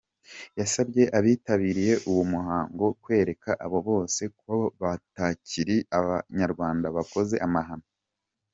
Yasabye abitabiriye uwo muhango kwereka abo bose ko batakiri ba Banyarwanda bakoze amahano.